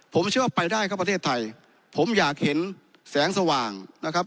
ผมเชื่อว่าไปได้ครับประเทศไทยผมอยากเห็นแสงสว่างนะครับ